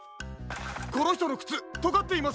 このひとのくつとがっています。